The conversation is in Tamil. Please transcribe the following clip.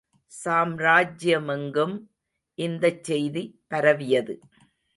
சாம்ராஜ்யமெங்கும் இந்தச் செய்தி பரவியது.